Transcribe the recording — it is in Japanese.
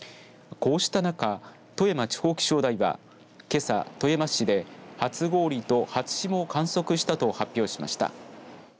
こうした中、富山地方気象台はけさ、富山市で初氷と初霜を観測したと発表しました。